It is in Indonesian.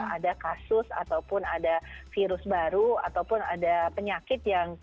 ada kasus ataupun ada virus baru ataupun ada penyakit yang